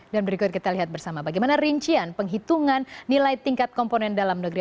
dan berikut kita lihat bersama bagaimana rincian penghitungan nilai tingkat komponen dalam negeri